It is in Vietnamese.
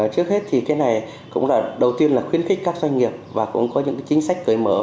trước hết thì cái này cũng là đầu tiên là khuyến khích các doanh nghiệp và cũng có những chính sách cởi mở